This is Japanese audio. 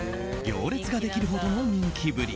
行列ができるほどの人気ぶり。